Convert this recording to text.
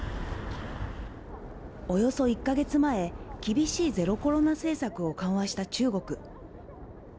およそ１か月前、厳しいゼロコロナ政策を緩和した中国。